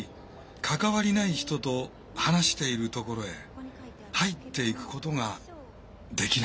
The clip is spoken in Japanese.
関わりない人と話しているところへ入っていくことができない。